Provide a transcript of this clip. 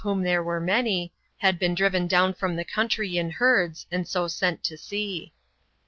xmc.] THE REINE BLANCHE. 113 were many, had been driven down from the country in herds, and so sent to sea.